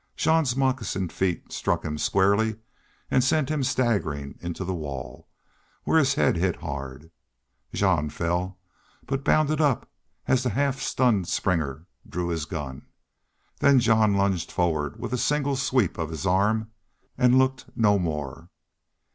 Jean's moccasined feet struck him squarely and sent him staggering into the wall, where his head hit hard. Jean fell, but bounded up as the half stunned Springer drew his gun. Then Jean lunged forward with a single sweep of his arm and looked no more.